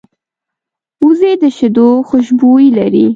وزې د شیدو خوشبويي لري